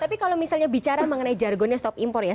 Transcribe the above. tapi kalau misalnya bicara mengenai jargonnya stop impor ya